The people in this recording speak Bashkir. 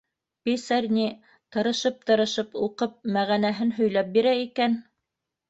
Писарь ни, тырышып-тырышып уҡып, мәғәнәһен һөйләп бирә икән.